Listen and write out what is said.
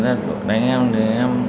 không nói nào còn em